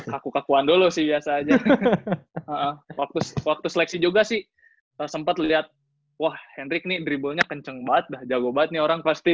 kaku kakuan dulu sih biasa aja waktu seleksi juga sih sempet liat wah hendrik nih dribble nya kenceng banget jago banget nih orang pasti